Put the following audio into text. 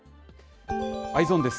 Ｅｙｅｓｏｎです。